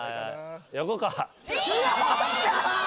よっしゃ！